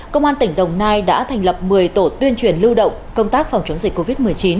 công an tỉnh đồng nai đã thành lập một mươi tổ tuyên truyền lưu động công tác phòng chống dịch covid một mươi chín